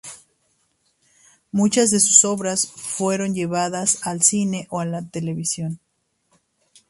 Muchas de sus obras fueron llevadas al cine o la televisión.